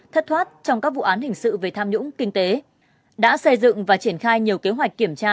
thất thoát trong các vụ án hình sự về tham nhũng kinh tế đã xây dựng và triển khai nhiều kế hoạch kiểm tra